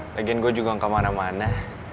lagian gue juga gak mana mana